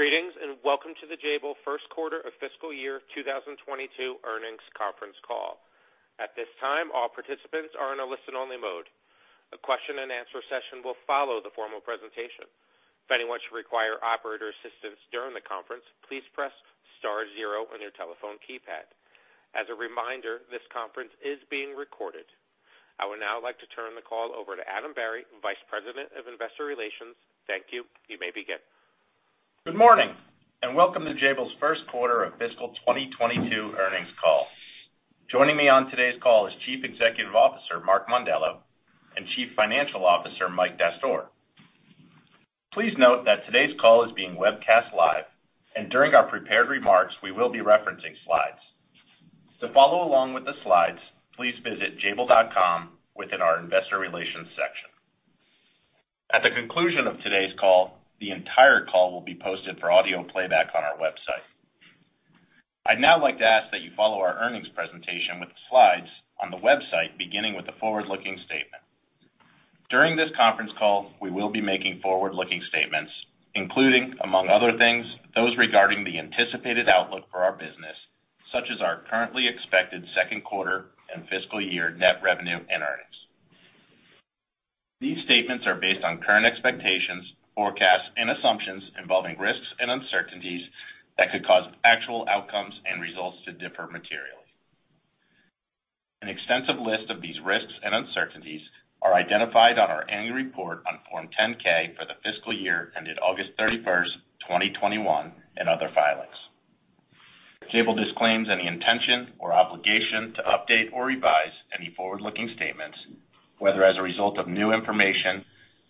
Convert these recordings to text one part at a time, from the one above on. Greetings, and welcome to the Jabil First Quarter of Fiscal Year 2022 Earnings Conference Call. At this time, all participants are in a listen-only mode. A question-and-answer session will follow the formal presentation. If anyone should require operator assistance during the conference, please press star zero on your telephone keypad. As a reminder, this conference is being recorded. I would now like to turn the call over to Adam Berry, Vice President of Investor Relations. Thank you. You may begin. Good morning and welcome to Jabil's First Quarter of Fiscal 2022 Earnings Call. Joining me on today's call is Chief Executive Officer Mark Mondello and Chief Financial Officer Mike Dastoor. Please note that today's call is being webcast live, and during our prepared remarks, we will be referencing slides. To follow along with the slides, please visit jabil.com within our Investor Relations section. At the conclusion of today's call, the entire call will be posted for audio playback on our website. I'd now like to ask that you follow our earnings presentation with the slides on the website beginning with the forward-looking statement. During this conference call, we will be making forward-looking statements, including, among other things, those regarding the anticipated outlook for our business, such as our currently expected second quarter and fiscal year net revenue and earnings. These statements are based on current expectations, forecasts, and assumptions involving risks and uncertainties that could cause actual outcomes and results to differ materially. An extensive list of these risks and uncertainties are identified in our annual report on Form 10-K for the fiscal year ended August 31st, 2021, and other filings. Jabil disclaims any intention or obligation to update or revise any forward-looking statements, whether as a result of new information,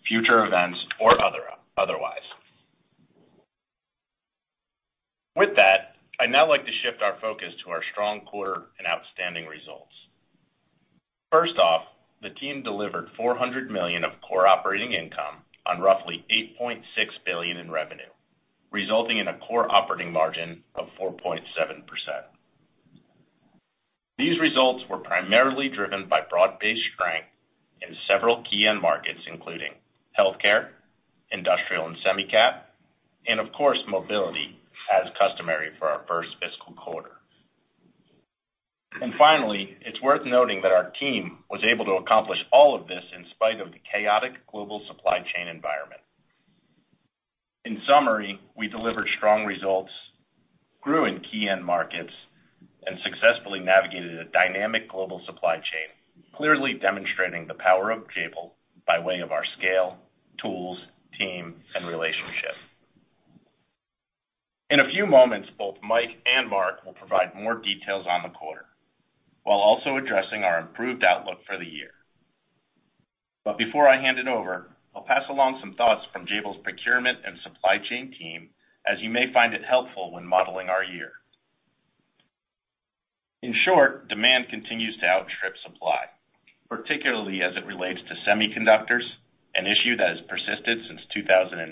future events, or otherwise. With that, I'd now like to shift our focus to our strong quarter and outstanding results. First off, the team delivered $400 million of core operating income on roughly $8.6 billion in revenue, resulting in a core operating margin of 4.7%. These results were primarily driven by broad-based strength in several key end markets, including healthcare, industrial and semi-cap, and of course, mobility as customary for our first fiscal quarter. Finally, it's worth noting that our team was able to accomplish all of this in spite of the chaotic global supply chain environment. In summary, we delivered strong results, grew in key end markets, and successfully navigated a dynamic global supply chain, clearly demonstrating the power of Jabil by way of our scale, tools, team, and relationships. In a few moments, both Mike and Mark will provide more details on the quarter while also addressing our improved outlook for the year. Before I hand it over, I'll pass along some thoughts from Jabil's procurement and supply chain team, as you may find it helpful when modeling our year. In short, demand continues to outstrip supply, particularly as it relates to semiconductors, an issue that has persisted since 2019.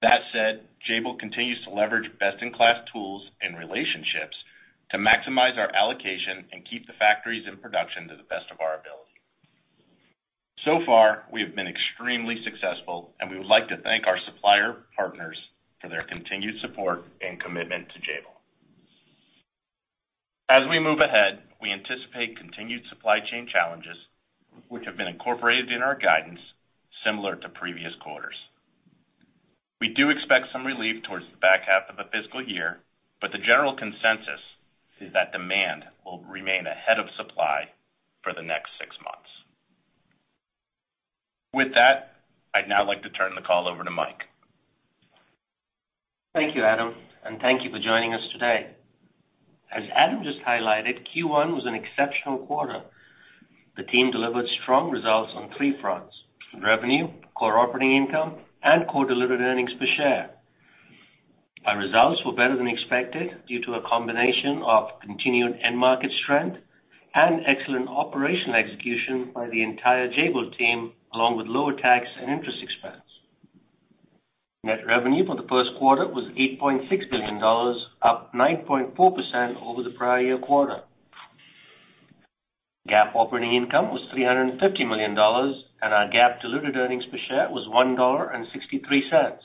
That said, Jabil continues to leverage best-in-class tools and relationships to maximize our allocation and keep the factories in production to the best of our ability. So far, we have been extremely successful, and we would like to thank our supplier partners for their continued support and commitment to Jabil. As we move ahead, we anticipate continued supply chain challenges, which have been incorporated in our guidance similar to previous quarters. We do expect some relief towards the back half of the fiscal year, but the general consensus is that demand will remain ahead of supply for the next six months. With that, I'd now like to turn the call over to Mike. Thank you, Adam, and thank you for joining us today. As Adam just highlighted, Q1 was an exceptional quarter. The team delivered strong results on three fronts, revenue, core operating income, and core diluted earnings per share. Our results were better than expected due to a combination of continued end market strength and excellent operational execution by the entire Jabil team, along with lower tax and interest expense. Net revenue for the first quarter was $8.6 billion, up 9.4% over the prior year quarter. GAAP operating income was $350 million, and our GAAP diluted earnings per share was $1.63.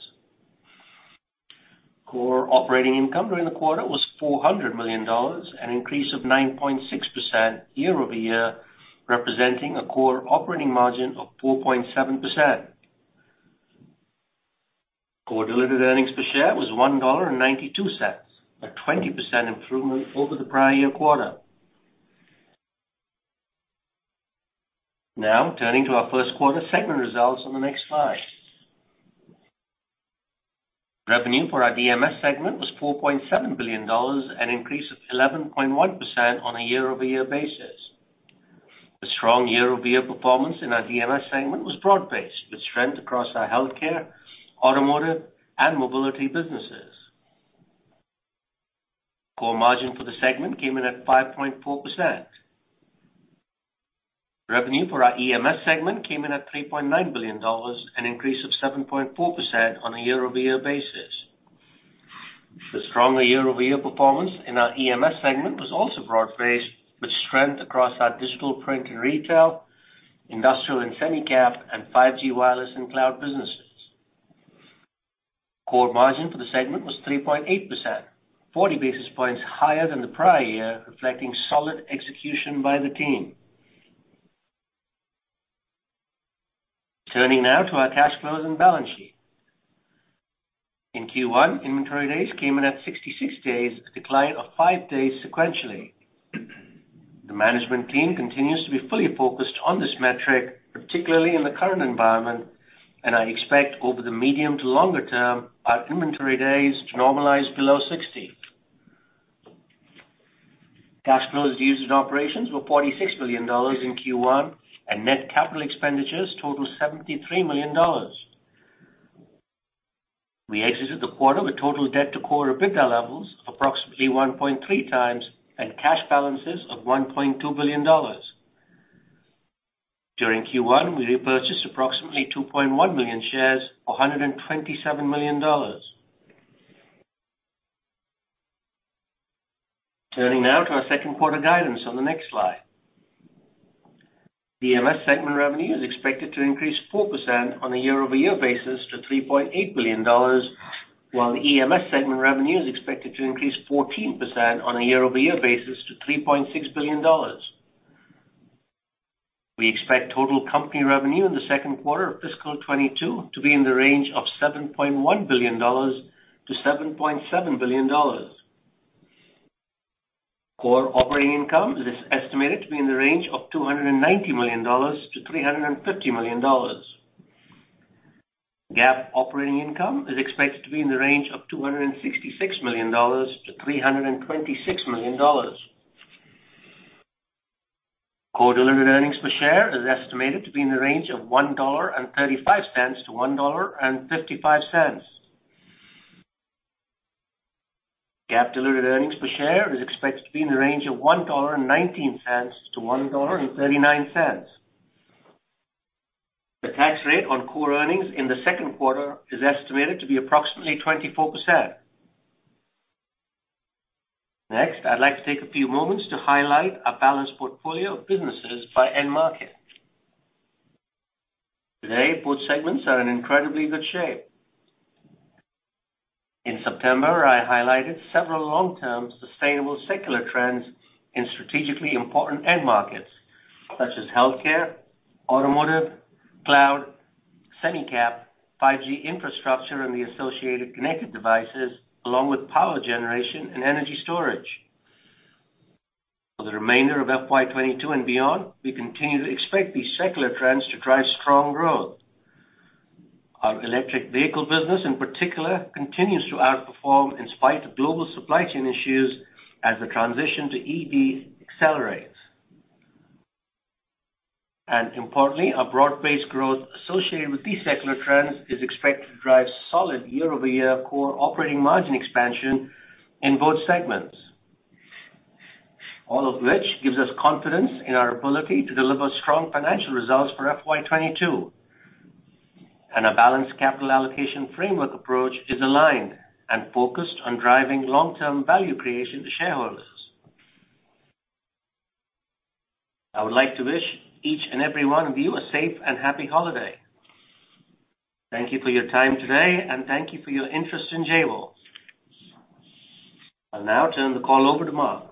Core operating income during the quarter was $400 million, an increase of 9.6% year-over-year, representing a core operating margin of 4.7%. Core diluted earnings per share was $1.92, a 20% improvement over the prior year quarter. Now, turning to our first quarter segment results on the next slide. Revenue for our DMS segment was $4.7 billion, an increase of 11.1% on a year-over-year basis. The strong year-over-year performance in our DMS segment was broad-based, with strength across our healthcare, automotive, and mobility businesses. Core margin for the segment came in at 5.4%. Revenue for our EMS segment came in at $3.9 billion, an increase of 7.4% on a year-over-year basis. The stronger year-over-year performance in our EMS segment was also broad-based, with strength across our digital print and retail, industrial and semi-cap, and 5G wireless and cloud businesses. Core margin for the segment was 3.8%, 40 basis points higher than the prior year, reflecting solid execution by the team. Turning now to our cash flows and balance sheet. In Q1, inventory days came in at 66 days, a decline of five days sequentially. The management team continues to be fully focused on this metric, particularly in the current environment, and I expect over the medium to longer term our inventory days to normalize below 60. Cash flows used in operations were $46 million in Q1 and net capital expenditures totaled $73 million. We exited the quarter with total debt to core EBITDA levels of approximately 1.3x and cash balances of $1.2 billion. During Q1, we repurchased approximately 2.1 million shares for $127 million. Turning now to our second quarter guidance on the next slide. DMS segment revenue is expected to increase 4% on a year-over-year basis to $3.8 billion, while the EMS segment revenue is expected to increase 14% on a year-over-year basis to $3.6 billion. We expect total company revenue in the second quarter of fiscal 2022 to be in the range of $7.1 billion-$7.7 billion. Core operating income is estimated to be in the range of $290 million-$350 million. GAAP operating income is expected to be in the range of $266 million-$326 million. Core diluted earnings per share is estimated to be in the range of $1.35-$1.55. GAAP diluted earnings per share is expected to be in the range of $1.19-$1.39. The tax rate on core earnings in the second quarter is estimated to be approximately 24%. Next, I'd like to take a few moments to highlight our balanced portfolio of businesses by end market. Today, both segments are in incredibly good shape. In September, I highlighted several long-term sustainable secular trends in strategically important end markets, such as healthcare, automotive, cloud, semi-cap, 5G infrastructure, and the associated connected devices, along with power generation and energy storage. For the remainder of FY 2022 and beyond, we continue to expect these secular trends to drive strong growth. Our electric vehicle business in particular continues to outperform in spite of global supply chain issues as the transition to EV accelerates. Importantly, our broad-based growth associated with these secular trends is expected to drive solid year-over-year core operating margin expansion in both segments. All of which gives us confidence in our ability to deliver strong financial results for FY 2022. Our balanced capital allocation framework approach is aligned and focused on driving long-term value creation to shareholders. I would like to wish each and every one of you a safe and happy holiday. Thank you for your time today, and thank you for your interest in Jabil. I'll now turn the call over to Mark.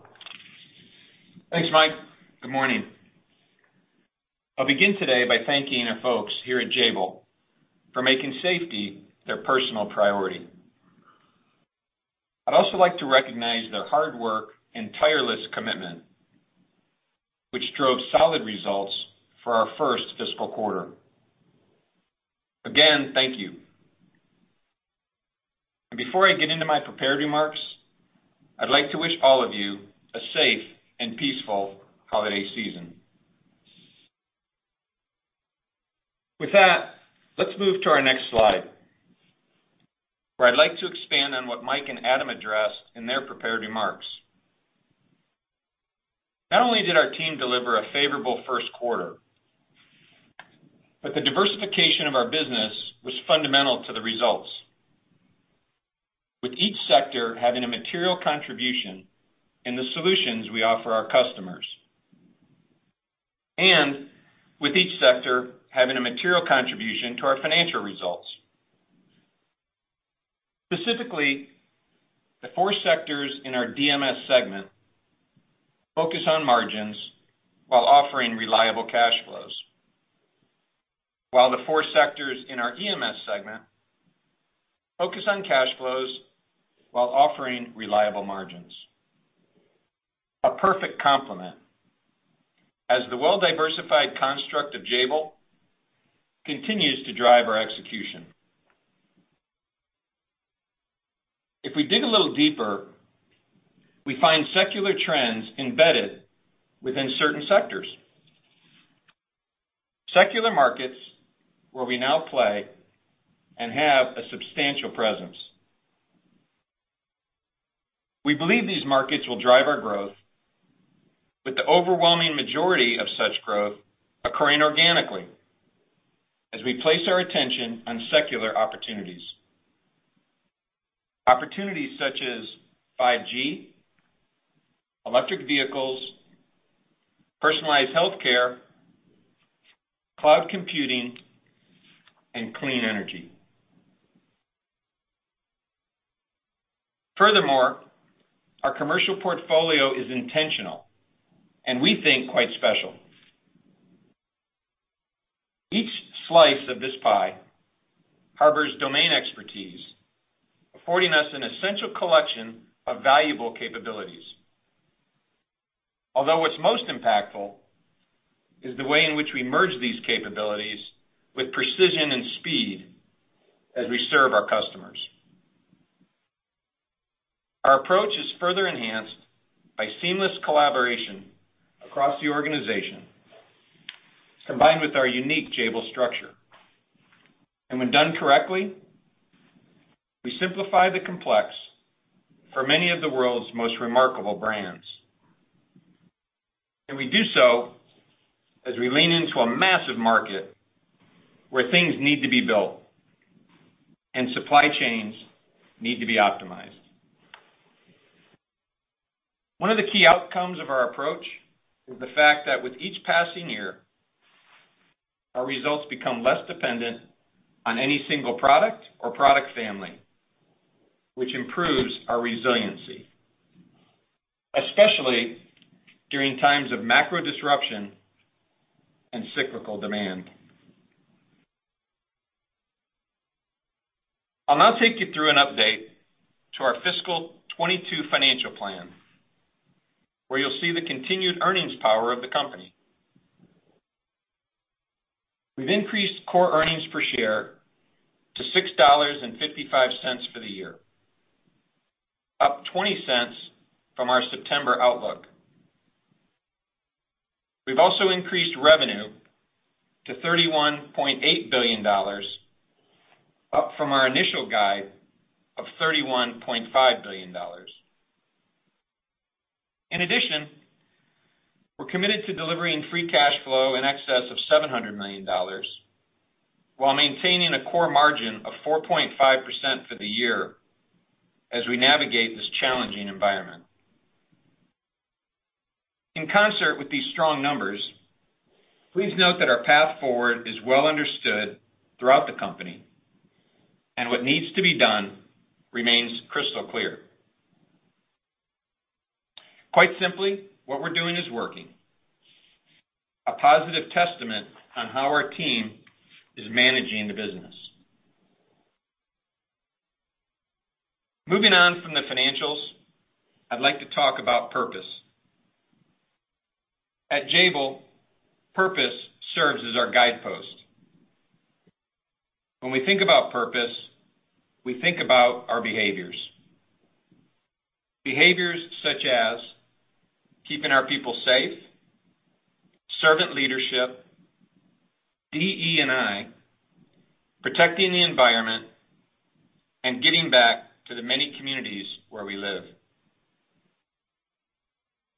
Thanks, Mike. Good morning. I'll begin today by thanking our folks here at Jabil for making safety their personal priority. I'd also like to recognize their hard work and tireless commitment, which drove solid results for our first fiscal quarter. Again, thank you. Before I get into my prepared remarks, I'd like to wish all of you a safe and peaceful holiday season. With that, let's move to our next slide, where I'd like to expand on what Mike and Adam addressed in their prepared remarks. Not only did our team deliver a favorable first quarter, but the diversification of our business was fundamental to the results, with each sector having a material contribution in the solutions we offer our customers, with each sector having a material contribution to our financial results. Specifically, the four sectors in our DMS segment focus on margins while offering reliable cash flows. While the four sectors in our EMS segment focus on cash flows while offering reliable margins. A perfect complement as the well-diversified construct of Jabil continues to drive our execution. If we dig a little deeper, we find secular trends embedded within certain sectors, secular markets where we now play and have a substantial presence. We believe these markets will drive our growth with the overwhelming majority of such growth occurring organically as we place our attention on secular opportunities. Opportunities such as 5G, electric vehicles, personalized healthcare, cloud computing, and clean energy. Furthermore, our commercial portfolio is intentional, and we think quite special. Each slice of this pie harbors domain expertise, affording us an essential collection of valuable capabilities. Although what's most impactful is the way in which we merge these capabilities with precision and speed as we serve our customers. Our approach is further enhanced by seamless collaboration across the organization, combined with our unique Jabil structure. When done correctly, we simplify the complex for many of the world's most remarkable brands. We do so as we lean into a massive market where things need to be built and supply chains need to be optimized. One of the key outcomes of our approach is the fact that with each passing year, our results become less dependent on any single product or product family, which improves our resiliency, especially during times of macro disruption and cyclical demand. I'll now take you through an update to our FY 2022 financial plan, where you'll see the continued earnings power of the company. We've increased core earnings per share to $6.55 for the year, up $0.20 from our September outlook. We've also increased revenue to $31.8 billion, up from our initial guide of $31.5 billion. In addition, we're committed to delivering free cash flow in excess of $700 million, while maintaining a core margin of 4.5% for the year as we navigate this challenging environment. In concert with these strong numbers, please note that our path forward is well understood throughout the company, and what needs to be done remains crystal clear. Quite simply, what we're doing is working, a positive testament on how our team is managing the business. Moving on from the financials, I'd like to talk about purpose. At Jabil, purpose serves as our guidepost. When we think about purpose, we think about our behaviors. Behaviors such as keeping our people safe, servant leadership, DE&I, protecting the environment, and giving back to the many communities where we live.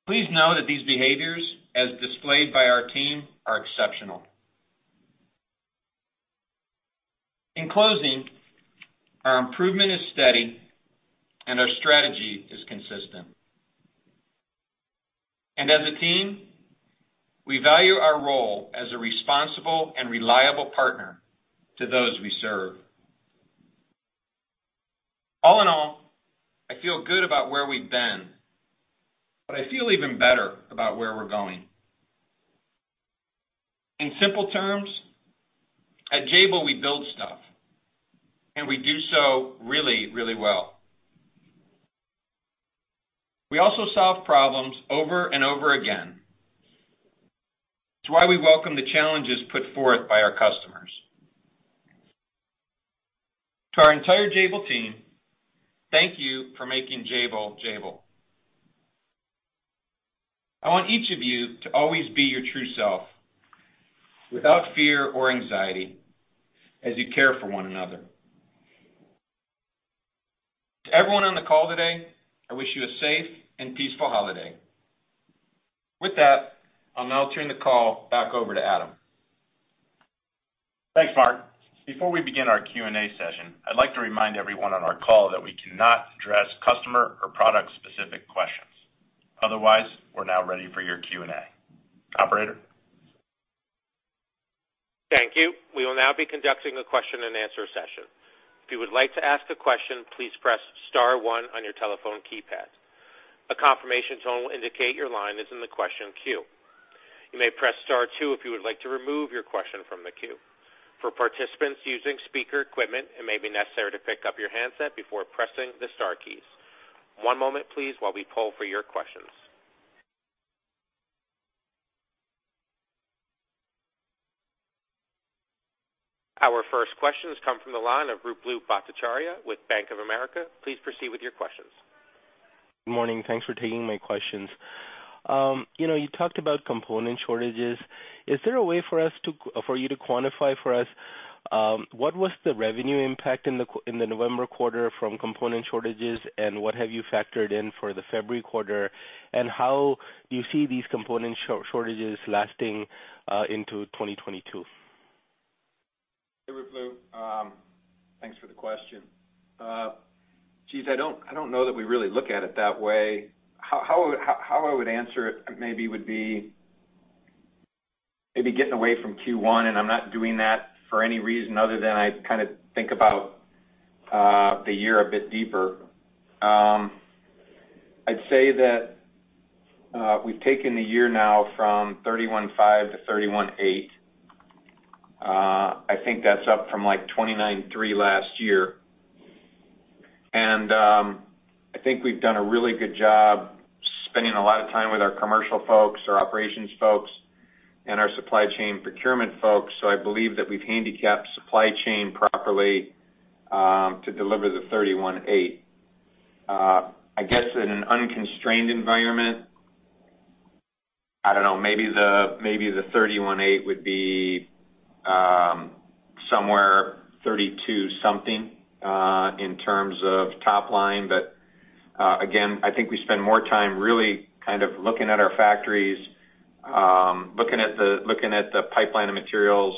Please know that these behaviors, as displayed by our team, are exceptional. In closing, our improvement is steady, and our strategy is consistent. As a team, we value our role as a responsible and reliable partner to those we serve. All in all, I feel good about where we've been, but I feel even better about where we're going. In simple terms, at Jabil, we build stuff, and we do so really, really well. We also solve problems over and over again. It's why we welcome the challenges put forth by our customers. To our entire Jabil team, thank you for making Jabil Jabil. I want each of you to always be your true self without fear or anxiety as you care for one another. To everyone on the call today, I wish you a safe and peaceful holiday. With that, I'll now turn the call back over to Adam. Thanks, Mark. Before we begin our Q&A session, I'd like to remind everyone on our call that we cannot address customer or product-specific questions. Otherwise, we're now ready for your Q&A. Operator? Thank you. We will now be conducting a question-and-answer session. If you would like to ask a question, please press star one on your telephone keypad. A confirmation tone will indicate your line is in the question queue. You may press star two if you would like to remove your question from the queue. For participants using speaker equipment, it may be necessary to pick up your handset before pressing the star keys. One moment, please, while we poll for your questions. Our first questions come from the line of Ruplu Bhattacharya with Bank of America. Please proceed with your questions. Good morning. Thanks for taking my questions. You know, you talked about component shortages. Is there a way for us—for you to quantify for us what was the revenue impact in the November quarter from component shortages, and what have you factored in for the February quarter, and how you see these component shortages lasting into 2022? Hey, Ruplu. Thanks for the question. Geez, I don't know that we really look at it that way. How would I answer it maybe would be getting away from Q1, and I'm not doing that for any reason other than I kinda think about the year a bit deeper. I'd say that we've taken the year now from $31.5 billion to $31.8 billion. I think that's up from, like, $29.3 billion last year. I think we've done a really good job spending a lot of time with our commercial folks, our operations folks, and our supply chain procurement folks. I believe that we've handicapped supply chain properly to deliver the $31.8 billion. I guess in an unconstrained environment, maybe the $31.8 billion would be somewhere 32 something in terms of top line. Again, I think we spend more time really kind of looking at our factories, looking at the pipeline of materials,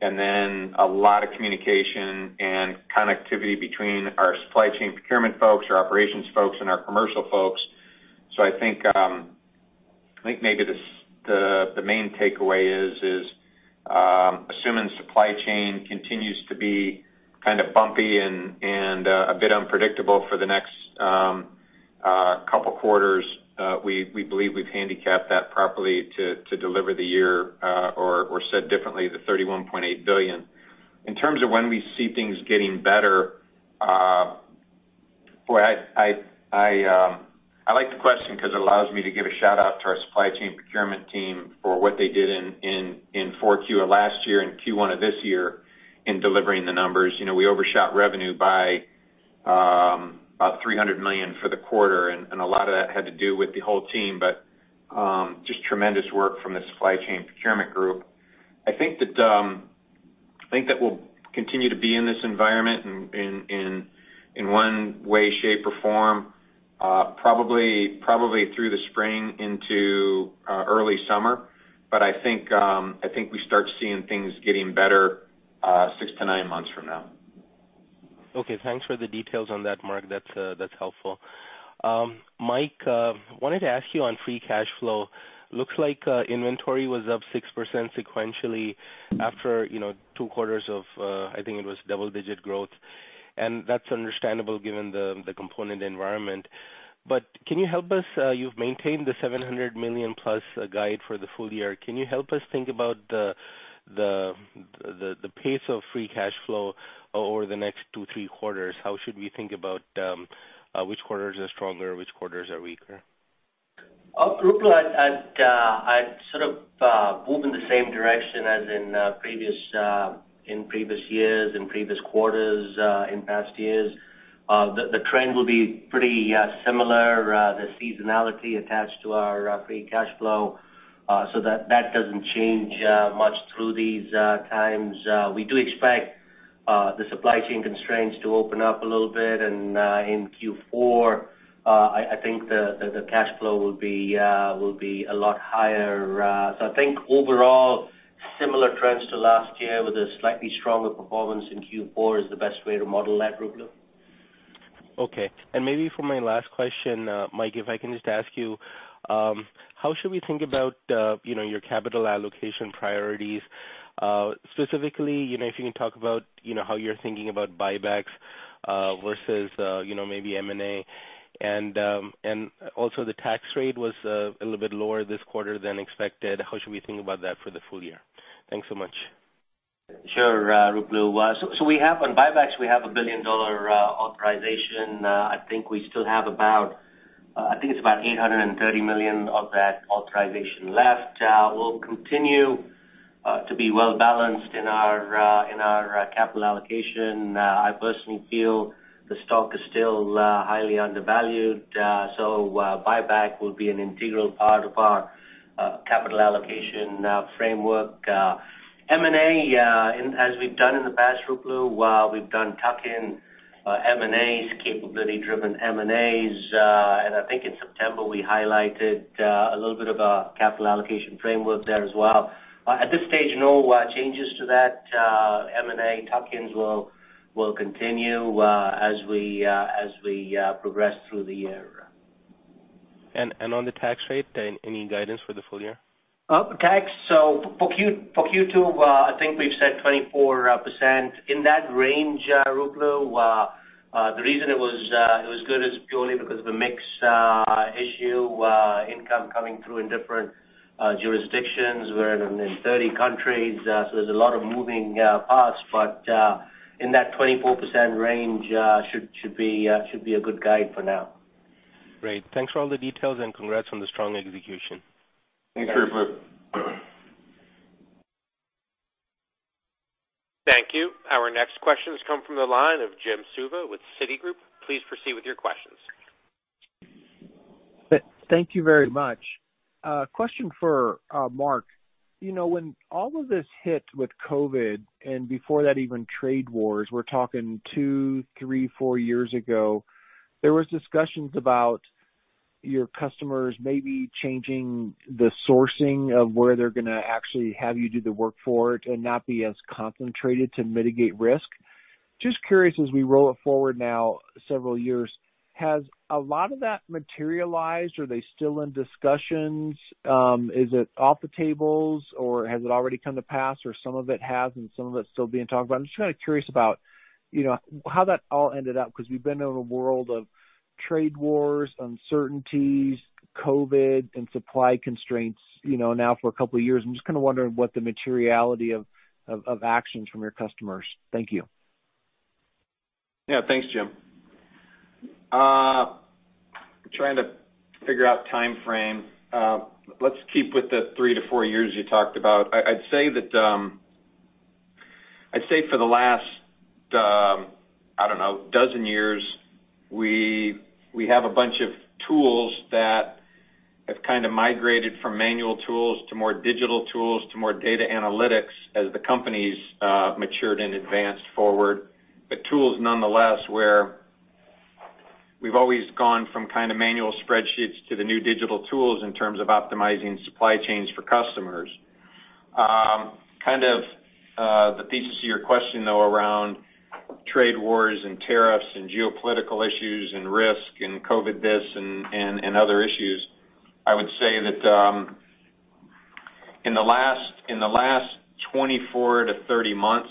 and then a lot of communication and connectivity between our supply chain procurement folks, our operations folks, and our commercial folks. I think maybe the main takeaway is assuming supply chain continues to be kind of bumpy and a bit unpredictable for the next couple quarters, we believe we've handicapped that properly to deliver the year, or said differently, the $31.8 billion. In terms of when we see things getting better, I like the question 'cause it allows me to give a shout-out to our supply chain procurement team for what they did in Q4 of last year and Q1 of this year in delivering the numbers. You know, we overshot revenue by about $300 million for the quarter, and a lot of that had to do with the whole team, but just tremendous work from the supply chain procurement group. I think that we'll continue to be in this environment in one way, shape, or form, probably through the spring into early summer. I think we start seeing things getting better six to nine months from now. Okay, thanks for the details on that, Mark. That's helpful. Mike, I wanted to ask you on free cash flow. Looks like inventory was up 6% sequentially after, you know, two quarters of, I think it was double-digit growth, and that's understandable given the component environment. But can you help us, you've maintained the $700 million-plus guide for the full year. Can you help us think about the pace of free cash flow over the next two, three quarters? How should we think about which quarters are stronger, which quarters are weaker? Ruplu, I'd sort of move in the same direction as in previous years and previous quarters in past years. The trend will be pretty similar, the seasonality attached to our free cash flow, so that doesn't change much through these times. We do expect the supply chain constraints to open up a little bit. In Q4, I think the cash flow will be a lot higher. Overall, similar trends to last year with a slightly stronger performance in Q4 is the best way to model that, Ruplu. Okay. Maybe for my last question, Mike, if I can just ask you, how should we think about, you know, your capital allocation priorities? Specifically, you know, if you can talk about, you know, how you're thinking about buybacks, versus, you know, maybe M&A. Also the tax rate was a little bit lower this quarter than expected. How should we think about that for the full year? Thanks so much. Sure, Ruplu. We have on buybacks, we have a billion-dollar authorization. I think we still have about $830 million of that authorization left. We'll continue to be well-balanced in our capital allocation. I personally feel the stock is still highly undervalued. Buyback will be an integral part of our capital allocation framework. M&A, as we've done in the past, Ruplu, we've done tuck-in M&As, capability-driven M&As. I think in September, we highlighted a little bit of a capital allocation framework there as well. At this stage, no changes to that. M&A tuck-ins will continue as we progress through the year. On the tax rate, any guidance for the full year? Oh, tax. For Q2, I think we've said 24%. In that range, Ruplu, the reason it was good is purely because of a mix issue, income coming through in different jurisdictions. We're in 30 countries, so there's a lot of moving parts, but in that 24% range should be a good guide for now. Great. Thanks for all the details, and congrats on the strong execution. Thanks, Ruplu. Thank you. Our next questions come from the line of Jim Suva with Citigroup. Please proceed with your questions. Thank you very much. Question for Mark. You know, when all of this hit with COVID, and before that even trade wars, we're talking two, three, four years ago, there was discussions about your customers maybe changing the sourcing of where they're gonna actually have you do the work for it and not be as concentrated to mitigate risk. Just curious, as we roll it forward now several years, has a lot of that materialized? Are they still in discussions? Is it off the tables, or has it already come to pass, or some of it has, and some of it's still being talked about? I'm just kind of curious about, you know, how that all ended up, because we've been in a world of trade wars, uncertainties, COVID, and supply constraints, you know, now for a couple of years. I'm just kind of wondering what the materiality of actions from your customers? Thank you. Yeah. Thanks, Jim. Trying to figure out timeframe. Let's keep with the three to four years you talked about. I'd say for the last, I don't know, 12 years, we have a bunch of tools that have kind of migrated from manual tools to more digital tools to more data analytics as the companies matured and advanced forward. Tools nonetheless, where we've always gone from kind of manual spreadsheets to the new digital tools in terms of optimizing supply chains for customers. Kind of, the thesis of your question, though, around trade wars and tariffs and geopolitical issues and risk and COVID this and other issues, I would say that, in the last 24 to 30 months,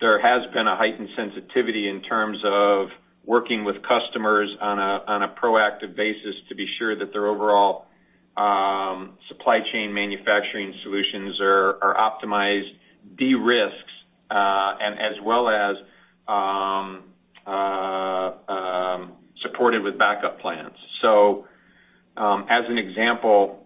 there has been a heightened sensitivity in terms of working with customers on a proactive basis to be sure that their overall, supply chain manufacturing solutions are optimized, de-risked, and as well as supported with backup plans. As an example,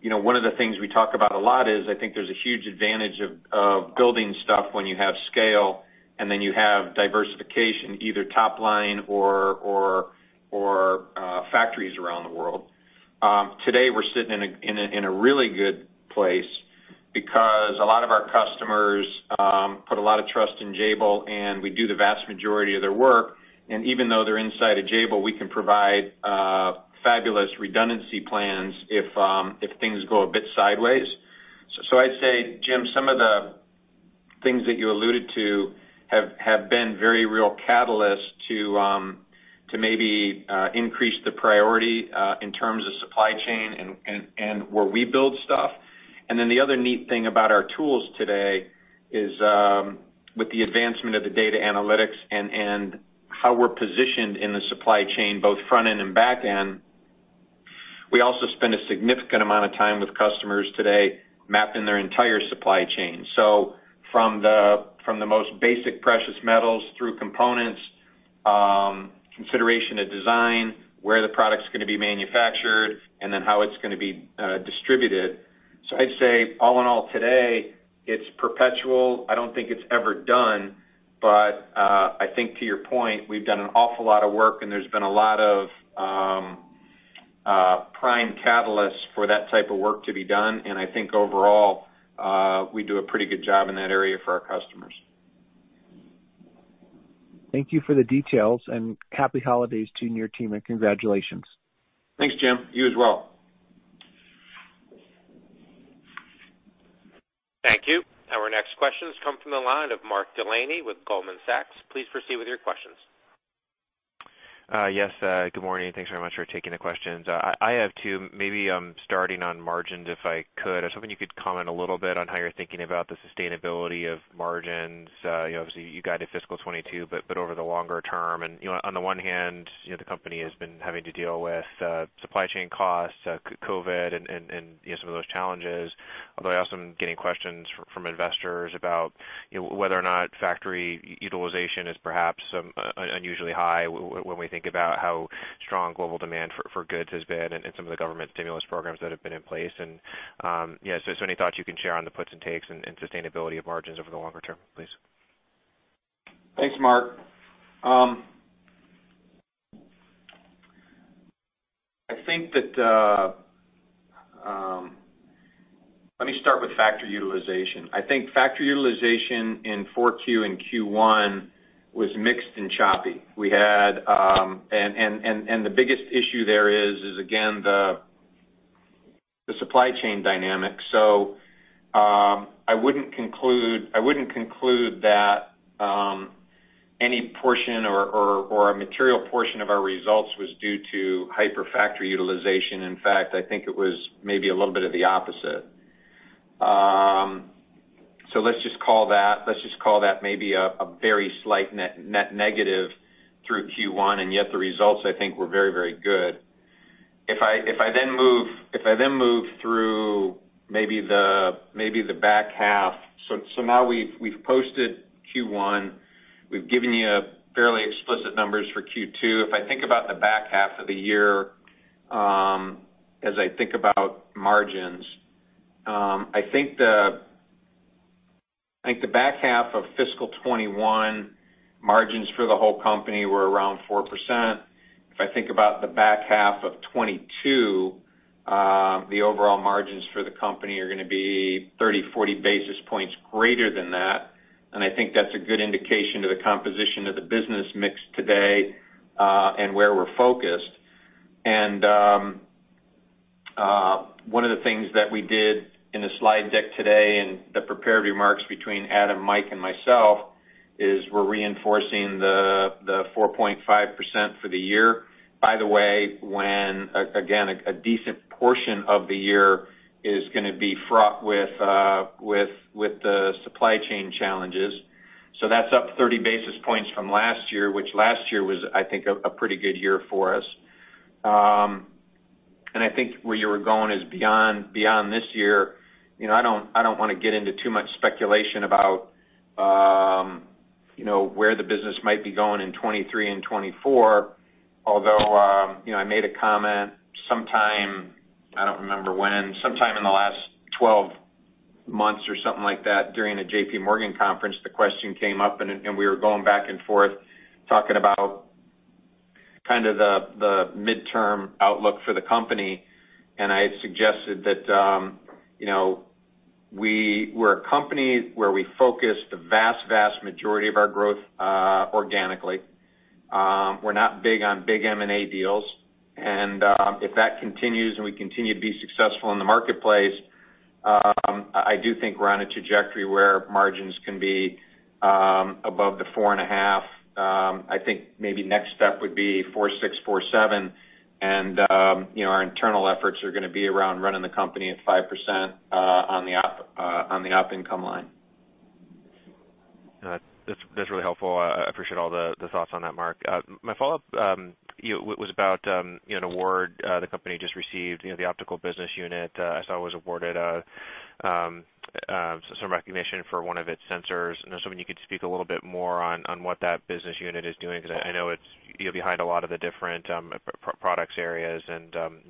you know, one of the things we talk about a lot is I think there's a huge advantage of building stuff when you have scale, and then you have diversification, either top line or factories around the world. Today, we're sitting in a really good place because a lot of our customers put a lot of trust in Jabil, and we do the vast majority of their work. Even though they're inside of Jabil, we can provide fabulous redundancy plans if things go a bit sideways. So I'd say, Jim, some of the things that you alluded to have been very real catalyst to maybe increase the priority in terms of supply chain and where we build stuff. Then the other neat thing about our tools today is, with the advancement of the data analytics and how we're positioned in the supply chain, both front end and back end, we also spend a significant amount of time with customers today mapping their entire supply chain. From the most basic precious metals through components, consideration of design, where the product's gonna be manufactured, and then how it's gonna be distributed. I'd say all in all today, it's perpetual. I don't think it's ever done. I think to your point, we've done an awful lot of work, and there's been a lot of prime catalysts for that type of work to be done. I think overall, we do a pretty good job in that area for our customers. Thank you for the details, and happy holidays to you and your team, and congratulations. Thanks, Jim. You as well. Thank you. Our next question comes from the line of Mark Delaney with Goldman Sachs. Please proceed with your questions. Yes, good morning. Thanks very much for taking the questions. I have two, maybe, starting on margins, if I could. I was hoping you could comment a little bit on how you're thinking about the sustainability of margins. You know, obviously you guided fiscal 2022, but over the longer term. You know, on the one hand, you know, the company has been having to deal with supply chain costs, COVID and you know, some of those challenges. Although I also am getting questions from investors about, you know, whether or not factory utilization is perhaps unusually high when we think about how strong global demand for goods has been and some of the government stimulus programs that have been in place. Any thoughts you can share on the puts and takes and sustainability of margins over the longer term, please? Thanks, Mark. I think that. Let me start with factory utilization. I think factory utilization in Q4 and Q1 was mixed and choppy. We had. The biggest issue there is again the supply chain dynamic. I wouldn't conclude that any portion or a material portion of our results was due to hyper factory utilization. In fact, I think it was maybe a little bit of the opposite. Let's just call that maybe a very slight net negative through Q1, and yet the results, I think, were very good. If I then move through maybe the back half. Now we've posted Q1. We've given you fairly explicit numbers for Q2. If I think about the back half of the year, as I think about margins, I think the back half of fiscal 2021 margins for the whole company were around 4%. If I think about the back half of 2022, the overall margins for the company are gonna be 30-40 basis points greater than that. I think that's a good indication of the composition of the business mix today, and where we're focused. One of the things that we did in the slide deck today in the prepared remarks between Adam, Mike and myself, is we're reinforcing the 4.5% for the year. By the way, when again, a decent portion of the year is gonna be fraught with the supply chain challenges. That's up 30 basis points from last year, which last year was, I think, a pretty good year for us. I think where you were going is beyond this year. You know, I don't wanna get into too much speculation about, you know, where the business might be going in 2023 and 2024. Although, you know, I made a comment sometime, I don't remember when, sometime in the last 12 months or something like that during a JPMorgan conference. The question came up and we were going back and forth talking about kind of the midterm outlook for the company. I had suggested that, you know, we were a company where we focus the vast majority of our growth organically. We're not big on big M&A deals. If that continues and we continue to be successful in the marketplace, I do think we're on a trajectory where margins can be above 4.5%. I think maybe next step would be 4.6%, 4.7%. You know, our internal efforts are gonna be around running the company at 5% on the op income line. All right. That's really helpful. I appreciate all the thoughts on that, Mark. My follow-up, it was about, you know, an award, the company just received. You know, the optical business unit, I saw it was awarded, so some recognition for one of its sensors. You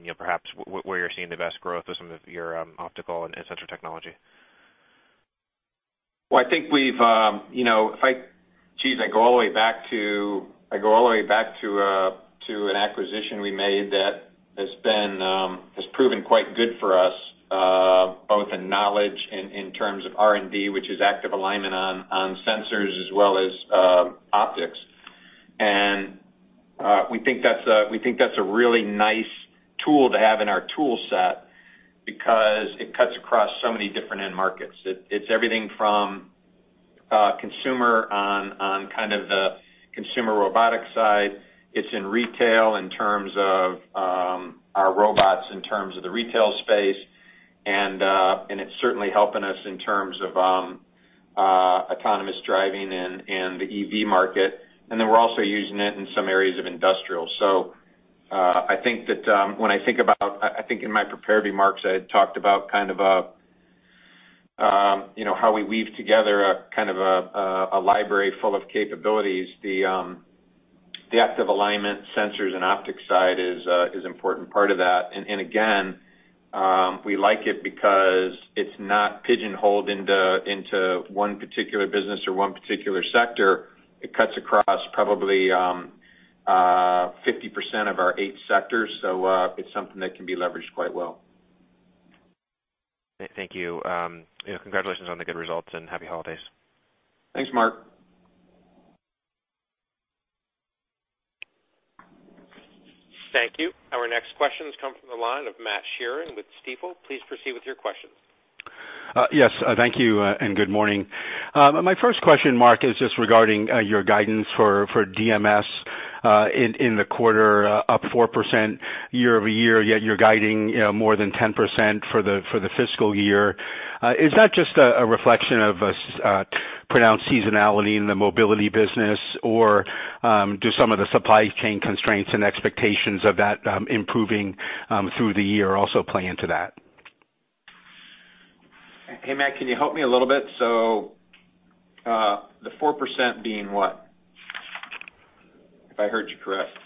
know, perhaps where you're seeing the best growth with some of your optical and sensor technology. Well, I think we've you know I go all the way back to an acquisition we made that has proven quite good for us both in knowledge in terms of R&D, which is active alignment on sensors as well as optics. We think that's a really nice tool to have in our tool set because it cuts across so many different end markets. It's everything from consumer on kind of the consumer robotics side. It's in retail in terms of our robots in terms of the retail space. It's certainly helping us in terms of autonomous driving and the EV market. We're also using it in some areas of industrial. I think in my prepared remarks, I had talked about kind of, you know, how we weave together a kind of a library full of capabilities. The active alignment sensors and optics side is an important part of that. Again, we like it because it's not pigeonholed into one particular business or one particular sector. It cuts across probably 50% of our eight sectors. It's something that can be leveraged quite well. Thank you. You know, congratulations on the good results and happy holidays. Thanks, Mark. Thank you. Our next question comes from the line of Matt Sheerin with Stifel. Please proceed with your questions. Yes, thank you, and good morning. My first question, Mark, is just regarding your guidance for DMS in the quarter, up 4% year-over-year, yet you're guiding, you know, more than 10% for the fiscal year. Is that just a reflection of a pronounced seasonality in the mobility business or do some of the supply chain constraints and expectations of that improving through the year also play into that? Hey, Matt, can you help me a little bit? The 4% being what? If I heard you correctly.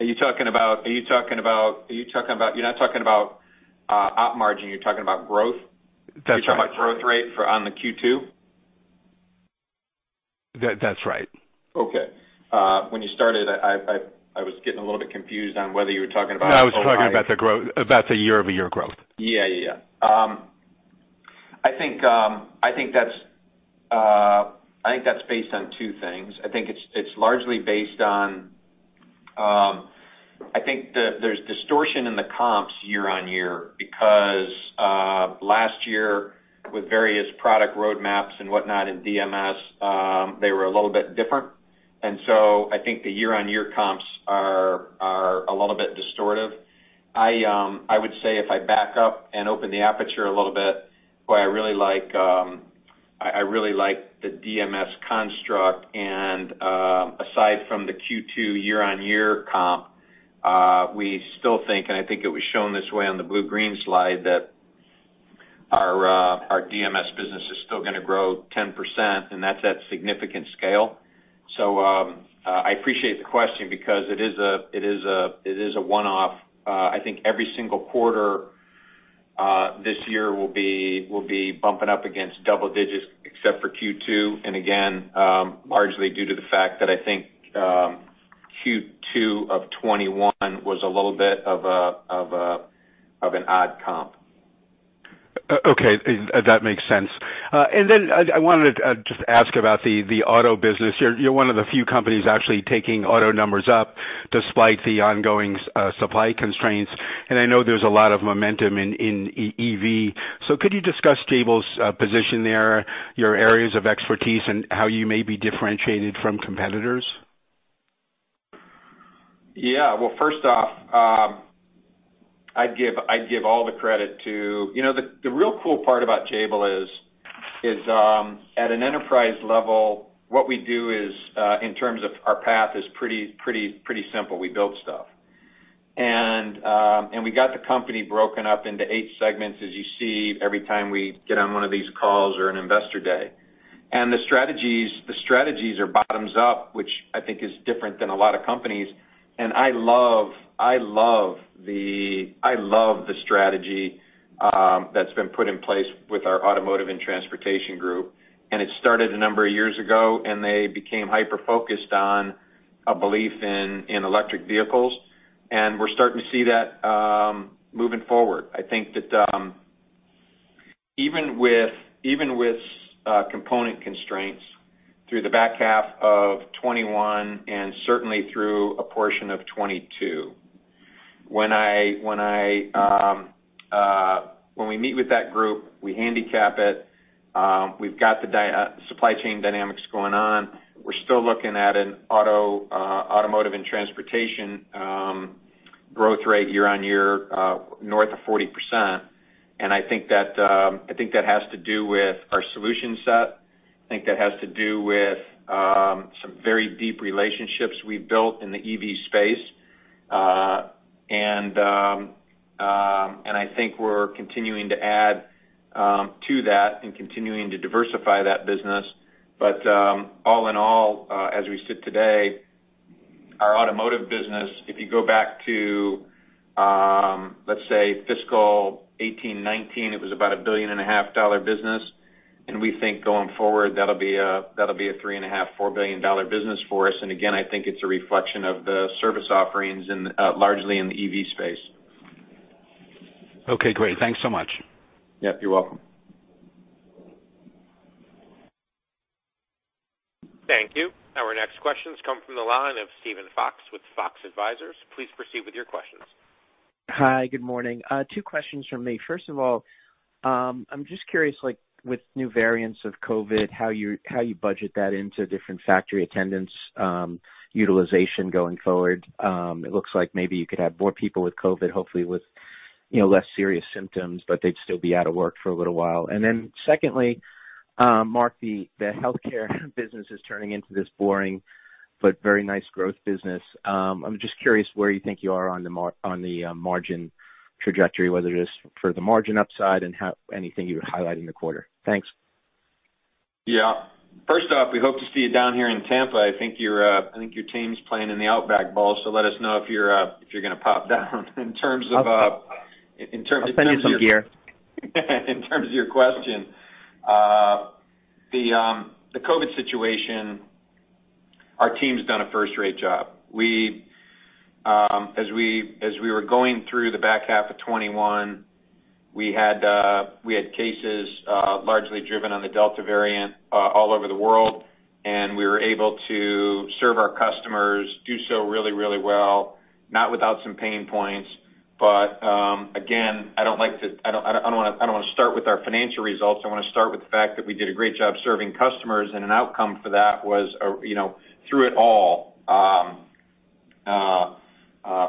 Are you talking about. You're not talking about op margin, you're talking about growth? That's right. You're talking about the growth rate for Q2? That's right. Okay. When you started, I was getting a little bit confused on whether you were talking about. No, I was talking about the growth, about the year-over-year growth. Yeah. I think that's based on two things. I think it's largely based on the distortion in the comps year-on-year because last year with various product roadmaps and whatnot in DMS, they were a little bit different. I think the year-on-year comps are a little bit distortive. I would say if I back up and open the aperture a little bit, boy, I really like the DMS construct and, aside from the Q2 year-on-year comp, we still think, and I think it was shown this way on the blue-green slide, that our DMS business is still gonna grow 10%, and that's at significant scale. I appreciate the question because it is a one-off. I think every single quarter this year will be bumping up against double digits except for Q2. Again, largely due to the fact that I think Q2 of 2021 was a little bit of an odd comp. Okay. That makes sense. I wanted to just ask about the auto business. You're one of the few companies actually taking auto numbers up despite the ongoing supply constraints. I know there's a lot of momentum in EV. Could you discuss Jabil's position there, your areas of expertise, and how you may be differentiated from competitors? Yeah. Well, first off, I'd give all the credit to. You know the real cool part about Jabil is at an enterprise level, what we do is in terms of our path is pretty simple. We build stuff. We got the company broken up into eight segments, as you see every time we get on one of these calls or an investor day. The strategies are bottoms up, which I think is different than a lot of companies. I love the strategy that's been put in place with our automotive and transportation group. It started a number of years ago, and they became hyper-focused on a belief in electric vehicles. We're starting to see that moving forward. I think that even with component constraints through the back half of 2021, and certainly through a portion of 2022, when we meet with that group, we handicap it. We've got the supply chain dynamics going on. We're still looking at an automotive and transportation growth rate year-over-year north of 40%. I think that has to do with our solution set. I think that has to do with some very deep relationships we've built in the EV space. I think we're continuing to add to that and continuing to diversify that business. All in all, as we sit today, our automotive business, if you go back to, let's say fiscal 18, 19, it was about a $1.5 billion business. We think going forward, that'll be a $3.5-$4 billion business for us. Again, I think it's a reflection of the service offerings and largely in the EV space. Okay, great. Thanks so much. Yep, you're welcome. Thank you. Our next questions come from the line of Steven Fox with Fox Advisors. Please proceed with your questions. Hi, good morning. Two questions from me. First of all, I'm just curious, like with new variants of COVID, how you budget that into different factory attendance, utilization going forward. It looks like maybe you could have more people with COVID, hopefully with, you know, less serious symptoms, but they'd still be out of work for a little while. Secondly, Mark, the healthcare business is turning into this boring but very nice growth business. I'm just curious where you think you are on the margin trajectory, whether it is for the margin upside and how anything you would highlight in the quarter. Thanks. Yeah. First off, we hope to see you down here in Tampa. I think your team's playing in the Outback Bowl, so let us know if you're gonna pop down. In terms of your- I'll send you some beer. In terms of your question, the COVID situation, our team's done a first-rate job. As we were going through the back half of 2021, we had cases largely driven on the Delta variant all over the world, and we were able to serve our customers, do so really well, not without some pain points. Again, I don't wanna start with our financial results. I wanna start with the fact that we did a great job serving customers, and an outcome for that was, you know, through it all,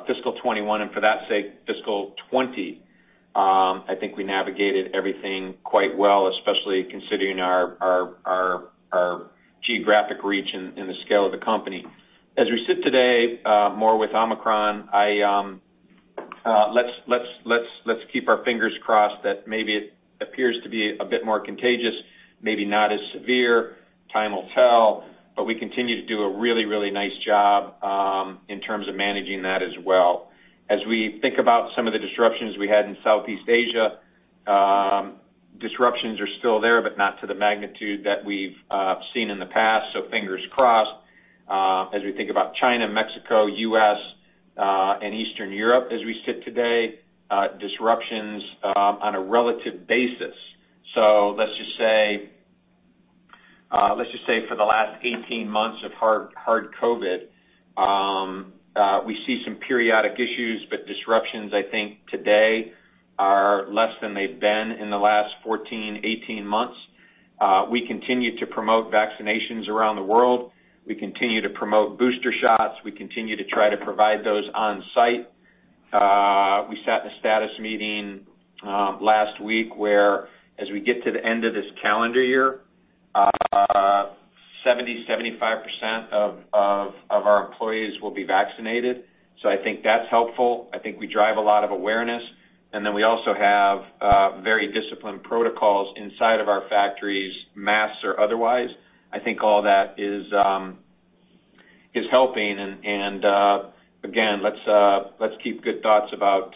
fiscal 2021, and for that matter, fiscal 2020, I think we navigated everything quite well, especially considering our geographic reach and the scale of the company. As we sit today, more with Omicron, let's keep our fingers crossed that maybe it appears to be a bit more contagious, maybe not as severe. Time will tell. We continue to do a really nice job in terms of managing that as well. As we think about some of the disruptions we had in Southeast Asia, disruptions are still there, but not to the magnitude that we've seen in the past. Fingers crossed. As we think about China, Mexico, U.S., and Eastern Europe as we sit today, disruptions on a relative basis. Let's just say for the last 18 months of hard COVID, we see some periodic issues, but disruptions, I think today are less than they've been in the last 14, 18 months. We continue to promote vaccinations around the world. We continue to promote booster shots. We continue to try to provide those on site. We sat in a status meeting last week whereas we get to the end of this calendar year, 75% of our employees will be vaccinated. So I think that's helpful. I think we drive a lot of awareness. We also have very disciplined protocols inside of our factories, masks or otherwise. I think all that is helping. Again, let's keep good thoughts about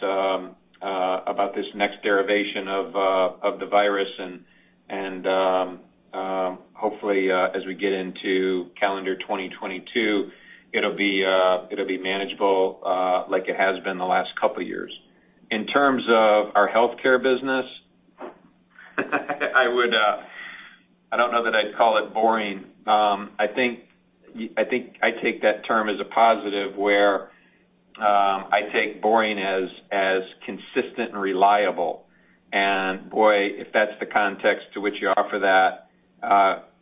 this next variant of the virus and hopefully, as we get into calendar 2022, it'll be manageable like it has been the last couple of years. In terms of our healthcare business, I would, I don't know that I'd call it boring. I think I take that term as a positive where, I take boring as consistent and reliable. Boy, if that's the context to which you offer that,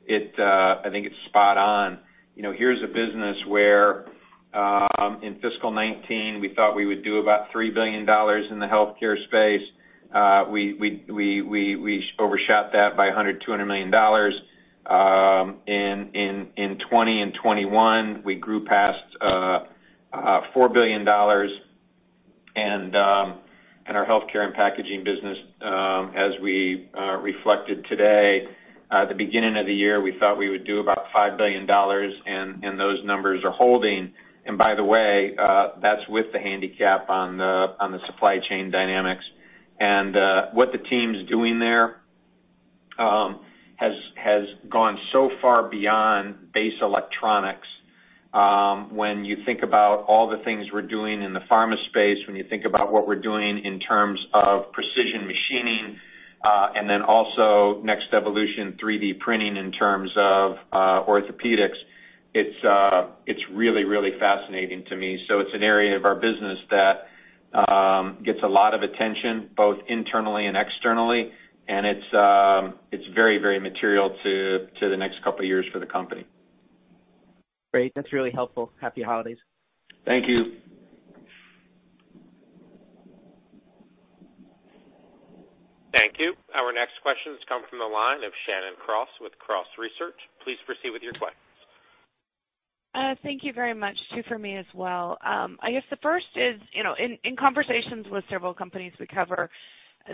it, I think it's spot on. You know, here's a business where, in fiscal 2019, we thought we would do about $3 billion in the healthcare space. We overshot that by $100-$200 million. In 2020 and 2021, we grew past $4 billion. Our healthcare and packaging business, as we reflected today, at the beginning of the year, we thought we would do about $5 billion, and those numbers are holding. By the way, that's with the handicap on the supply chain dynamics. What the team's doing there has gone so far beyond base electronics. When you think about all the things we're doing in the pharma space, when you think about what we're doing in terms of precision machining, and then also next evolution, 3D printing in terms of orthopedics, it's really, really fascinating to me. It's an area of our business that gets a lot of attention, both internally and externally. It's very, very material to the next couple of years for the company. Great. That's really helpful. Happy holidays. Thank you. Thank you. Our next question has come from the line of Shannon Cross with Cross Research. Please proceed with your questions. Thank you very much. Two for me as well. I guess the first is, you know, in conversations with several companies we cover,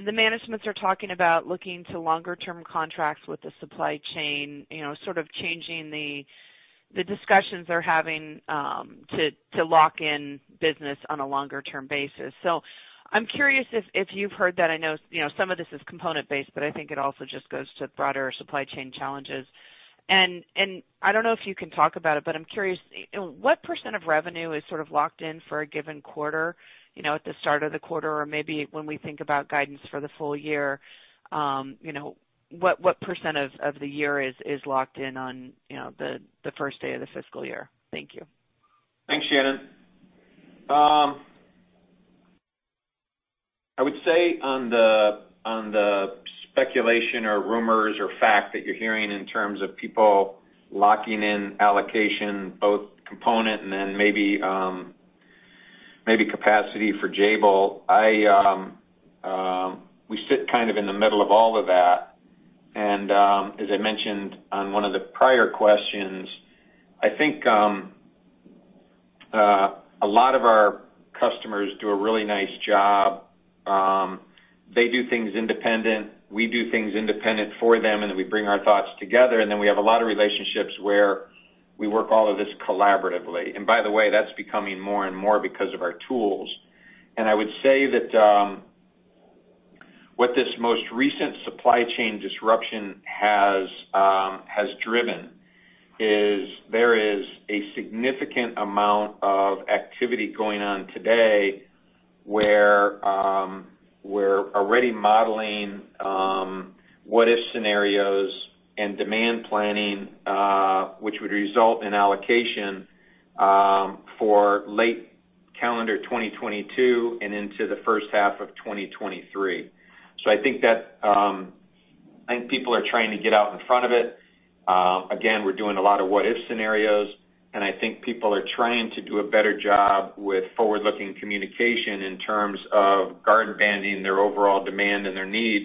the managements are talking about looking to longer term contracts with the supply chain, you know, sort of changing the discussions they're having, to lock in business on a longer term basis. I'm curious if you've heard that. I know, you know, some of this is component-based, but I think it also just goes to broader supply chain challenges. I don't know if you can talk about it, but I'm curious, what % of revenue is sort of locked in for a given quarter, you know, at the start of the quarter, or maybe when we think about guidance for the full year, you know, what % of the year is locked in on, you know, the first day of the fiscal year? Thank you. Thanks, Shannon. I would say on the speculation or rumors or fact that you're hearing in terms of people locking in allocation, both component and then maybe capacity for Jabil, we sit kind of in the middle of all of that. As I mentioned on one of the prior questions, I think a lot of our customers do a really nice job. They do things independent, we do things independent for them, and then we bring our thoughts together. Then we have a lot of relationships where we work all of this collaboratively. By the way, that's becoming more and more because of our tools. I would say that what this most recent supply chain disruption has driven is there is a significant amount of activity going on today where we're already modeling what if scenarios and demand planning, which would result in allocation for late calendar 2022 and into the first half of 2023. I think people are trying to get out in front of it. Again, we're doing a lot of what if scenarios, and I think people are trying to do a better job with forward-looking communication in terms of guard banding their overall demand and their needs,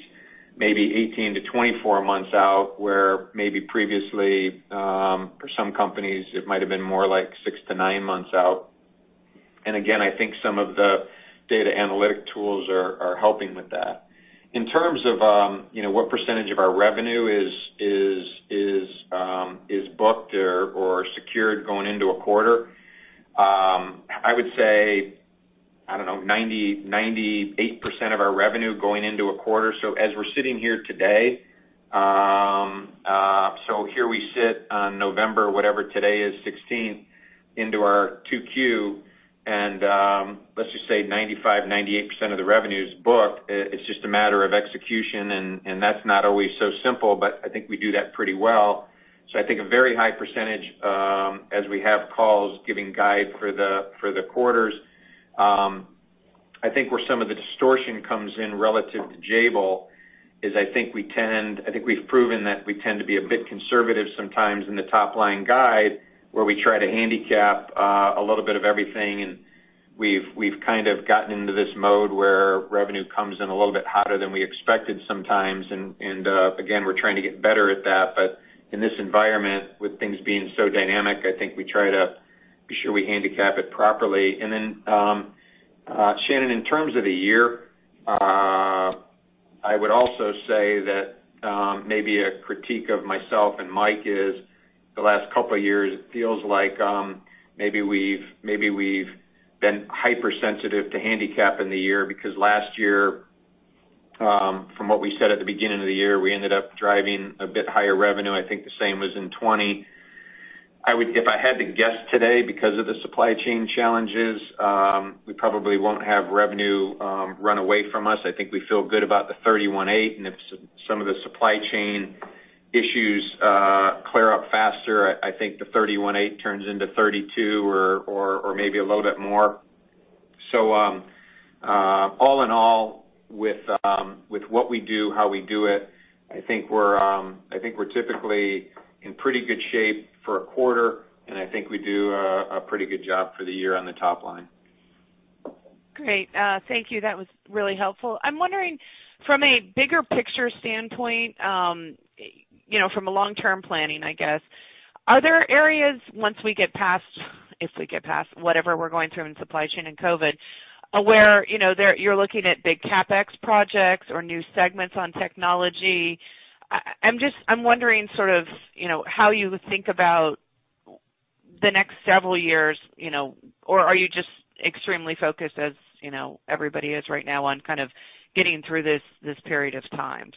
maybe 18-24 months out, where maybe previously for some companies, it might have been more like six to nine months out. Again, I think some of the data analytic tools are helping with that. In terms of, you know, what percentage of our revenue is booked or secured going into a quarter, I would say, I don't know, 90%-98% of our revenue going into a quarter. As we're sitting here today, here we sit on November whatever today is, 16 into our 2Q, and let's just say 95%-98% of the revenue is booked. It's just a matter of execution, and that's not always so simple, but I think we do that pretty well. I think a very high percentage as we have calls giving guide for the quarters. I think where some of the distortion comes in relative to Jabil is I think we've proven that we tend to be a bit conservative sometimes in the top line guide, where we try to handicap a little bit of everything. We've kind of gotten into this mode where revenue comes in a little bit hotter than we expected sometimes. Again, we're trying to get better at that. In this environment, with things being so dynamic, I think we try to be sure we handicap it properly. Shannon, in terms of the year, I would also say that maybe a critique of myself and Mike is the last couple of years. It feels like maybe we've been hypersensitive to handicapping the year, because last year from what we said at the beginning of the year, we ended up driving a bit higher revenue. I think the same was in 2020. If I had to guess today, because of the supply chain challenges, we probably won't have revenue run away from us. I think we feel good about the $31.8, and if some of the supply chain issues clear up faster, I think the $31.8 turns into $32 or maybe a little bit more. All in all, with what we do, how we do it, I think we're typically in pretty good shape for a quarter, and I think we do a pretty good job for the year on the top line. Great. Thank you. That was really helpful. I'm wondering from a bigger picture standpoint, you know, from a long-term planning, I guess, are there areas once we get past, if we get past whatever we're going through in supply chain and COVID, where, you know, you're looking at big CapEx projects or new segments on technology? I'm just wondering sort of, you know, how you think about the next several years, you know. Or are you just extremely focused as, you know, everybody is right now on kind of getting through this period of time?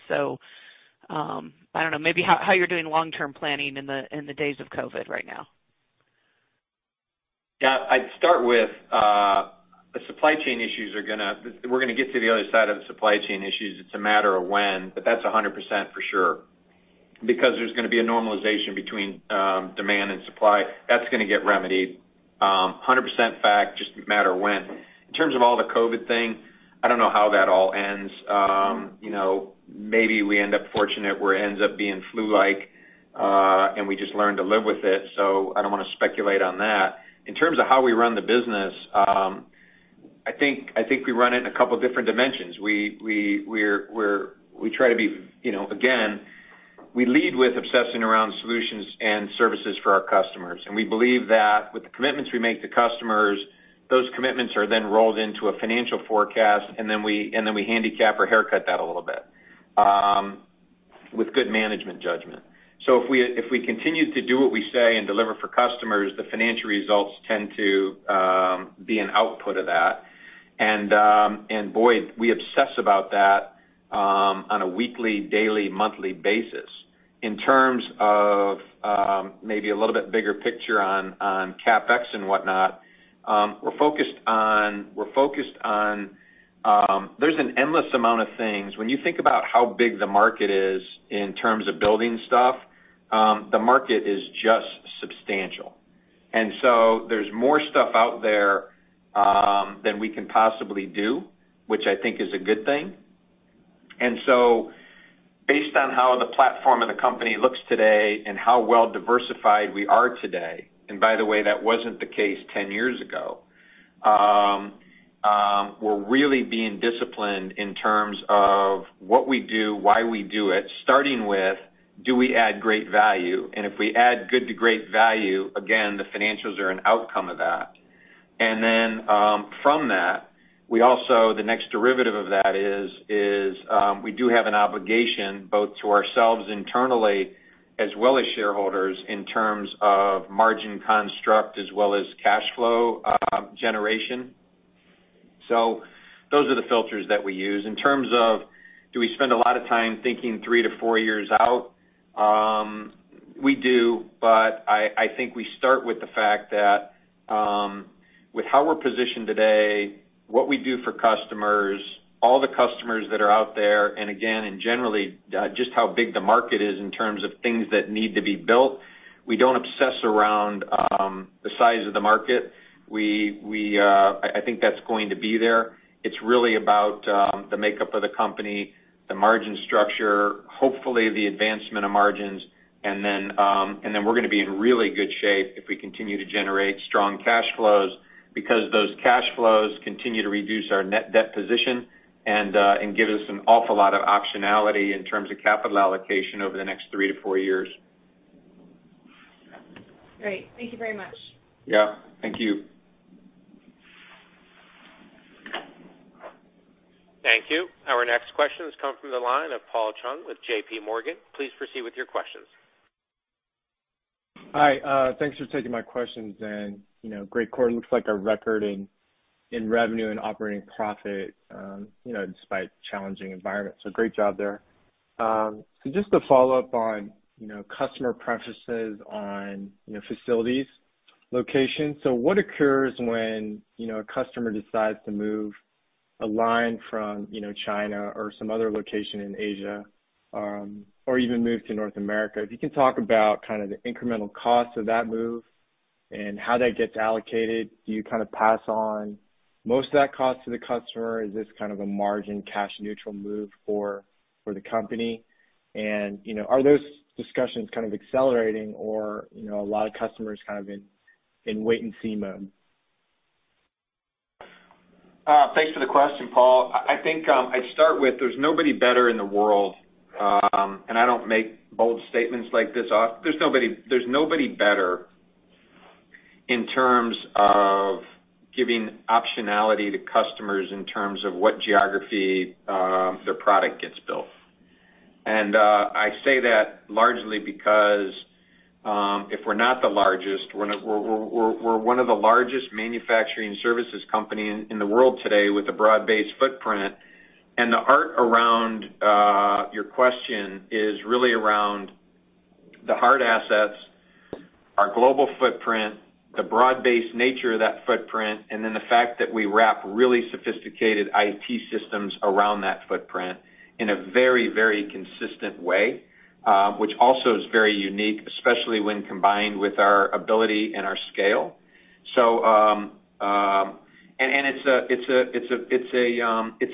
I don't know, maybe how you're doing long-term planning in the days of COVID right now. Yeah. I'd start with the supply chain issues. We're gonna get to the other side of the supply chain issues. It's a matter of when, but that's 100% for sure. Because there's gonna be a normalization between demand and supply. That's gonna get remedied, 100% fact, just a matter when. In terms of all the COVID thing, I don't know how that all ends. You know, maybe we end up fortunate where it ends up being flu-like, and we just learn to live with it, so I don't wanna speculate on that. In terms of how we run the business, I think we run it in a couple different dimensions. We try to be, you know. Again, we lead with obsessing around solutions and services for our customers. We believe that with the commitments we make to customers, those commitments are then rolled into a financial forecast, and then we handicap or haircut that a little bit with good management judgment. If we continue to do what we say and deliver for customers, the financial results tend to be an output of that. Boy, we obsess about that on a weekly, daily, monthly basis. In terms of maybe a little bit bigger picture on CapEx and whatnot, we're focused on. There's an endless amount of things. When you think about how big the market is in terms of building stuff, the market is just substantial. There's more stuff out there than we can possibly do, which I think is a good thing. Based on how the platform and the company looks today and how well diversified we are today, and by the way, that wasn't the case 10 years ago, we're really being disciplined in terms of what we do, why we do it, starting with do we add great value? If we add good to great value, again, the financials are an outcome of that. From that, we also, the next derivative of that is, we do have an obligation both to ourselves internally as well as shareholders in terms of margin construct as well as cash flow generation. Those are the filters that we use. In terms of do we spend a lot of time thinking three to four years out, we do, but I think we start with the fact that with how we're positioned today, what we do for customers, all the customers that are out there, and generally just how big the market is in terms of things that need to be built, we don't obsess around the size of the market. I think that's going to be there. It's really about the makeup of the company, the margin structure, hopefully the advancement of margins. We're gonna be in really good shape if we continue to generate strong cash flows because those cash flows continue to reduce our net debt position and give us an awful lot of optionality in terms of capital allocation over the nextthree to four years. Great. Thank you very much. Yeah. Thank you. Thank you. Our next question has come from the line of Paul Chung with JPMorgan. Please proceed with your questions. Hi, thanks for taking my questions. You know, great quarter. Looks like a record in revenue and operating profit, you know, despite challenging environment. Great job there. Just to follow up on, you know, customer preferences on, you know, facilities location. What occurs when, you know, a customer decides to move a line from, you know, China or some other location in Asia, or even move to North America? If you can talk about kind of the incremental cost of that move and how that gets allocated. Do you kind of pass on most of that cost to the customer? Is this kind of a margin cash neutral move for the company? You know, are those discussions kind of accelerating or, you know, a lot of customers kind of in wait and see mode? The question, Paul, I think I'd start with there's nobody better in the world, and I don't make bold statements like this. There's nobody better in terms of giving optionality to customers in terms of what geography their product gets built. I say that largely because if we're not the largest, we're one of the largest manufacturing services company in the world today with a broad-based footprint. The art around your question is really around the hard assets, our global footprint, the broad-based nature of that footprint, and then the fact that we wrap really sophisticated IT systems around that footprint in a very, very consistent way, which also is very unique, especially when combined with our ability and our scale. It's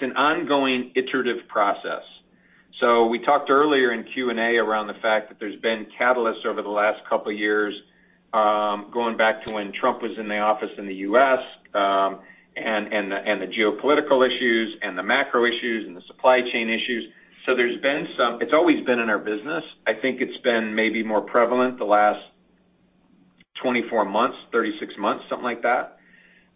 an ongoing iterative process. We talked earlier in Q&A around the fact that there's been catalysts over the last couple years, going back to when Trump was in the office in the U.S., and the geopolitical issues, and the macro issues, and the supply chain issues. There's been some. It's always been in our business. I think it's been maybe more prevalent the last 24 months, 36 months, something like that.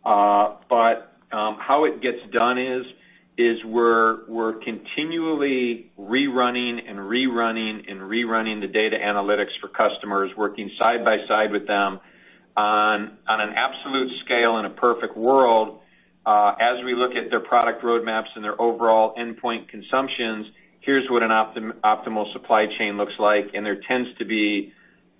How it gets done is we're continually rerunning the data analytics for customers, working side by side with them. On an absolute scale in a perfect world, as we look at their product roadmaps and their overall endpoint consumptions, here's what an optimal supply chain looks like. There tends to be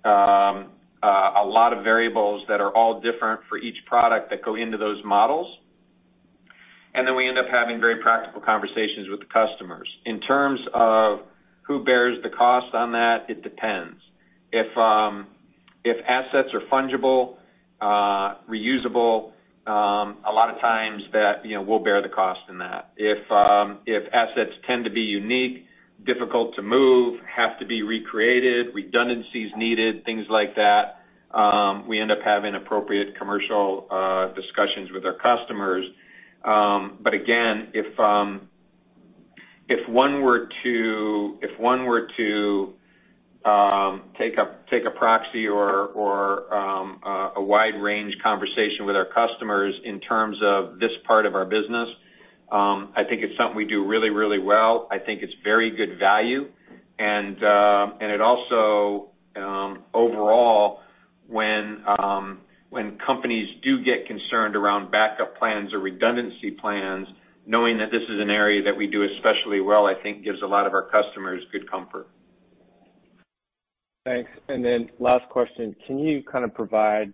a lot of variables that are all different for each product that go into those models. Then we end up having very practical conversations with the customers. In terms of who bears the cost on that, it depends. If assets are fungible, reusable, a lot of times that, you know, we'll bear the cost in that. If assets tend to be unique, difficult to move, have to be recreated, redundancies needed, things like that, we end up having appropriate commercial discussions with our customers. But again, if one were to take a proxy or a wide range conversation with our customers in terms of this part of our business, I think it's something we do really, really well. I think it's very good value. It also overall, when companies do get concerned around backup plans or redundancy plans, knowing that this is an area that we do especially well, I think gives a lot of our customers good comfort. Thanks. Last question. Can you kinda provide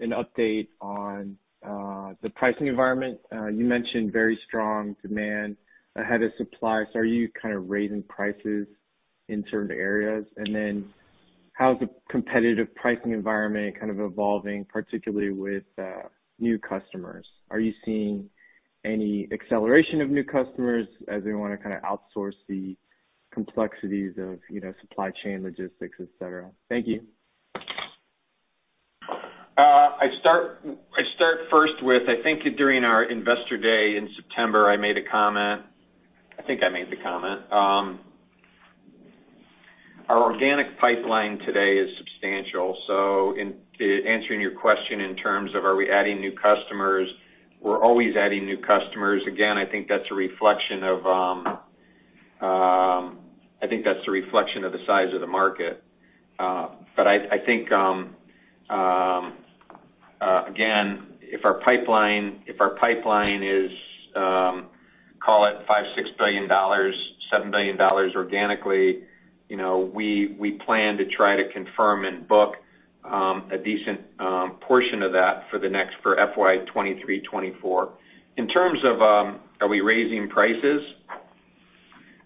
an update on the pricing environment? You mentioned very strong demand ahead of supply, so are you kind of raising prices in certain areas? How's the competitive pricing environment kind of evolving, particularly with new customers? Are you seeing any acceleration of new customers as they wanna kinda outsource the complexities of, you know, supply chain logistics, et cetera? Thank you. I think during our Investor Day in September, I made a comment. I think I made the comment. Our organic pipeline today is substantial. In answering your question in terms of are we adding new customers, we're always adding new customers. Again, I think that's a reflection of the size of the market. Again, I think if our pipeline is call it $5 billion, $6 billion, $7 billion organically, you know, we plan to try to confirm and book a decent portion of that for FY 2023, 2024. In terms of are we raising prices,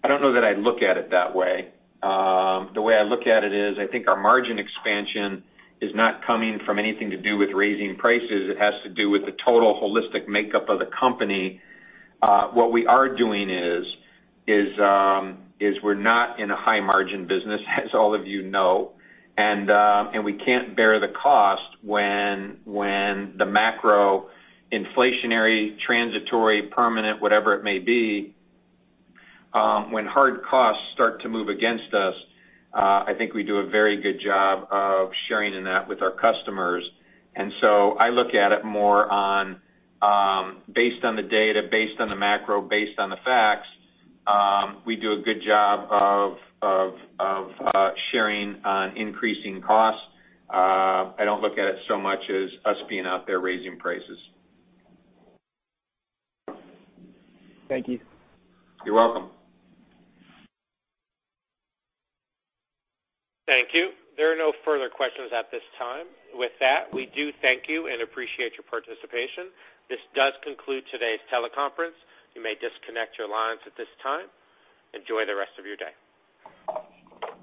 I don't know that I'd look at it that way. The way I look at it is, I think our margin expansion is not coming from anything to do with raising prices. It has to do with the total holistic makeup of the company. What we are doing is we're not in a high-margin business, as all of you know. We can't bear the cost when the macro, inflationary, transitory, permanent, whatever it may be, when hard costs start to move against us. I think we do a very good job of sharing in that with our customers. I look at it more, based on the data, based on the macro, based on the facts. We do a good job of sharing the increasing costs. I don't look at it so much as us being out there raising prices. Thank you. You're welcome. Thank you. There are no further questions at this time. With that, we do thank you and appreciate your participation. This does conclude today's teleconference. You may disconnect your lines at this time. Enjoy the rest of your day.